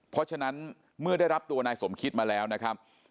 เพราะฉะนั้นเมื่อได้รับตัวนายสมคิดมาแล้วนะครับ